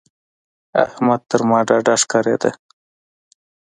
احمد تر ما ډاډه ښکارېده.